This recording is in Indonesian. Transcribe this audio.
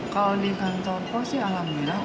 kalau di kantor pos sih alhamdulillah